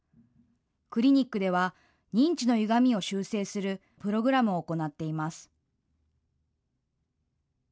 クリニックでは認知のゆがみを修正するプログラムを行っています。